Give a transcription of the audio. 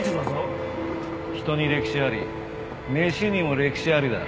人に歴史あり飯にも歴史ありだ。